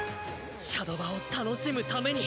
シャドバを楽しむために。